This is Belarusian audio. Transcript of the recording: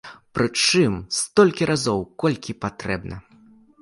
Прычым столькі разоў, колькі патрэбна.